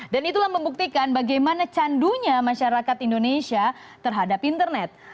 dan itulah membuktikan bagaimana candunya masyarakat indonesia terhadap internet